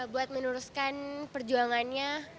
buat menuruskan perjuangannya